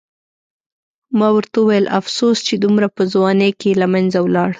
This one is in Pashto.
ما ورته وویل: افسوس چې دومره په ځوانۍ کې له منځه ولاړ.